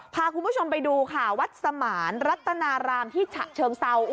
พาคุณผู้ชมไปดูค่ะวัดสมานรัตนารามที่ฉะเชิงเซา